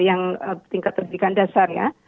yang tingkat pendidikan dasar ya